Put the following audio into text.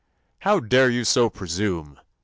"How dare you so presume *?"